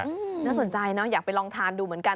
น่าสนใจนะอยากไปลองทานดูเหมือนกันนะครับ